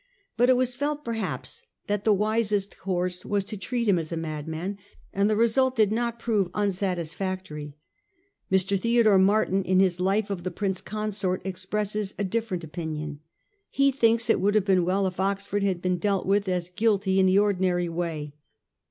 But it was felt perhaps that the wisest course was to treat him as a ma dman ; and the result did not prove unsatis factory. Mr. Theodore Martin, in his ' Life of the Prince Consort,' expresses a different opinion. He thinks it would have been well if Oxford had been dealt with as guilty in the ordinary way.